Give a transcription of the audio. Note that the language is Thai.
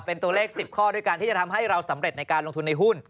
เป็นตัวเลข๑๐ข้อด้วยกันที่จะทำให้เราสำเร็จในการลงทุนในหุ้น